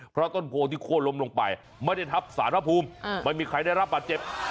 เพราะต้นโพที่โค้นล้มลงไปไม่ได้ทับสารพระภูมิไม่มีใครได้รับบาดเจ็บ